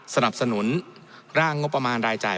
สนับสนุนร่างงบประมาณรายจ่าย